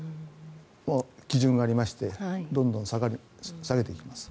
基準がありましてどんどん下げていきます。